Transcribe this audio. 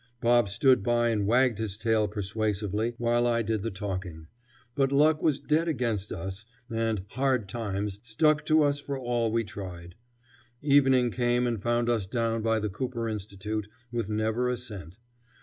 Bob stood by and wagged his tail persuasively while I did the talking; but luck was dead against us, and "Hard Times" stuck to us for all we tried. Evening came and found us down by the Cooper Institute, with never a cent.